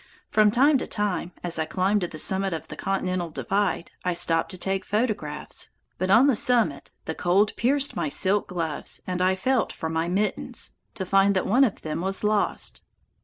From time to time, as I climbed to the summit of the Continental Divide, I stopped to take photographs, but on the summit the cold pierced my silk gloves and I felt for my mittens, to find that one of them was lost.